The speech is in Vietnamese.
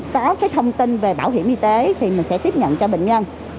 có cái thông tin về bảo hiểm y tế thì mình sẽ tiếp nhận cho bệnh nhân